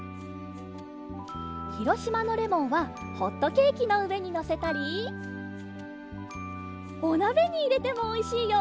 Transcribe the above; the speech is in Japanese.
ひろしまのレモンはホットケーキのうえにのせたりおなべにいれてもおいしいよ！